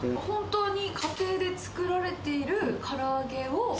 本当に家庭で作られているから揚げを。